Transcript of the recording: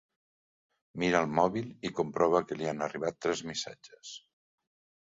Mira el mòbil i comprova que li han arribat tres missatges.